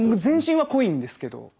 全身は濃いんですけど。